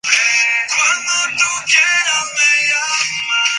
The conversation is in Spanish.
Al morir era vocal de la Junta Regional tradicionalista de Cataluña.